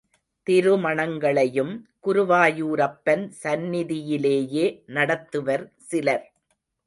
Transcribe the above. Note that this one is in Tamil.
திருமணங்களையும் குருவாயூரப்பன் சந்நிதியிலேயே நடத்துவர் சிலர்.